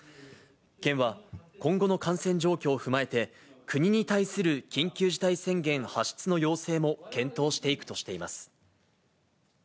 県は今後の感染状況を踏まえて、国に対する緊急事態宣言発出の要請も検討していくとしています。